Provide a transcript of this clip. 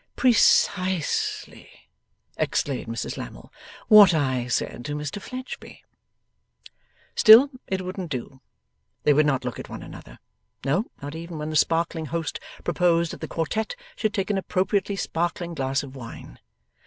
'Precisely,' exclaimed Mrs Lammle, 'what I said to Mr Fledgeby.' Still, it wouldn't do. They would not look at one another. No, not even when the sparkling host proposed that the quartette should take an appropriately sparkling glass of wine.